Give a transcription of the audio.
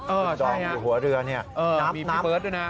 เออใช่นะดองอยู่หัวเรือเนี่ยน้ำน้ำมีพี่เฟิร์ทด้วยนะ